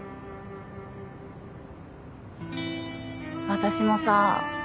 私もさ